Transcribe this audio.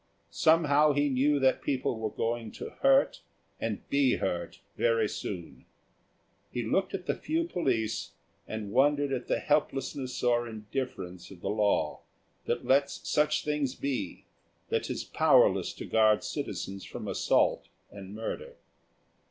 Somehow he knew that people were going to hurt and be hurt very soon. He looked at the few police, and wondered at the helplessness or indifference of the law, that lets such things be, that is powerless to guard citizens from assault and murder.